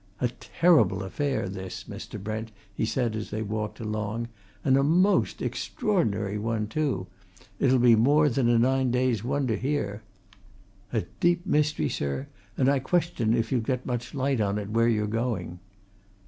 "A terrible affair, this, Mr. Brent!" he said as they walked along. "And a most extraordinary one too it'll be more than a nine days' wonder here. A deep mystery, sir, and I question if you'll get much light on it where you're going."